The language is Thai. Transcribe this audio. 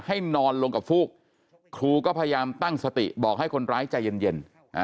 ให้นอนลงกับฟูกครูก็พยายามตั้งสติบอกให้คนร้ายใจเย็น